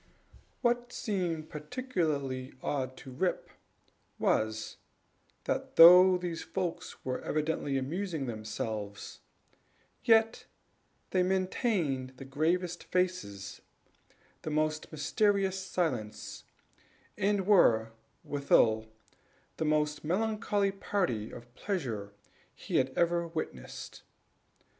What seemed particularly odd to Rip was, that though these folks were evidently amusing themselves, yet they maintained the gravest faces, the most mysterious silence, and were, withal, the most melancholy party of pleasure he had ever witnessed.